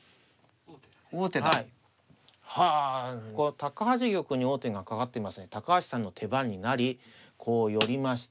高橋玉に王手がかかってますので高橋さんの手番になりこう寄りました。